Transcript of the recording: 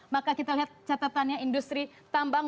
maka kita lihat catatannya industri tambang